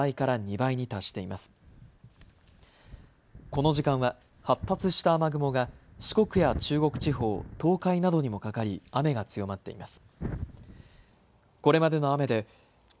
この時間は発達した雨雲が四国や中国地方、東海などにもかかり、雨が強まっています。